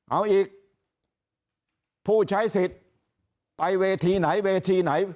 เอาอีกผู้ใช้สิทธิ์ไปเวทีไหนเวทีไหน